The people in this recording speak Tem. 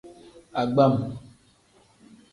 Agbam.